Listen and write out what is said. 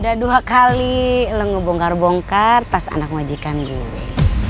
udah dua kali lo ngebongkar bongkar tas anak wajikan gue